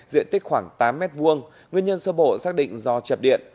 diện tích khoảng tám m hai nguyên nhân sơ bộ xác định do chập điện